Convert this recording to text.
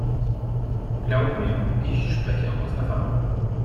Glaub mir, ich spreche aus Erfahrung.